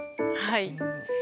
はい。